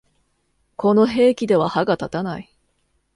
この兵器では歯が立たない